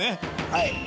はい。